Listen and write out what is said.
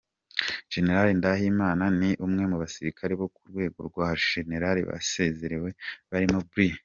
Gen. Ngendahimana ni umwe mu basirikare bo ku rwego rwa Jenerali basezerewe, barimo Brig.